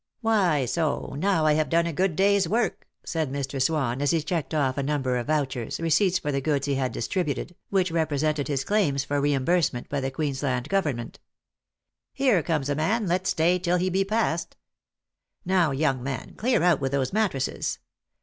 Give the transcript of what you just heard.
"' Why, so : now have I done a good day's work,' " said Mr. Swan, as he checked off a number of vouchers, receipts for the goods he had distributed, which represented his claims for re imbursement by the Queensland Government. "' Here comes a man, let's stay till he be past.' Now, young man, clear out with those mattresses.